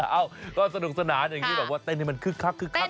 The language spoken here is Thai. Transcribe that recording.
เอ้าก็สนุกสนานอย่างนี้แบบว่าเต้นให้มันคึกคักคึกคัก